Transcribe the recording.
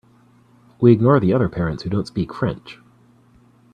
We ignore the other parents who don’t speak French.